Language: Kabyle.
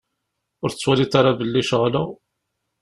Ur tettwaliḍ ara belli ceɣleɣ?